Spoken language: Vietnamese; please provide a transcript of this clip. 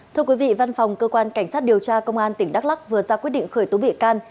thưa quý vị văn phòng cơ quan cảnh sát điều tra công an tỉnh đắk lắc vừa ra quyết định khởi tố bị can